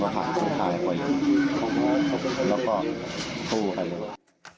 ถูกแล้ว